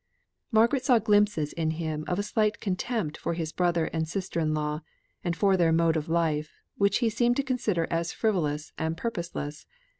Margaret saw glimpses in him of a slight contempt for his brother and sister in law, and for their mode of life, which he seemed to consider as frivolous and purposeless.